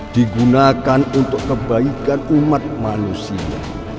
digunakan untuk kebaikan umat manusia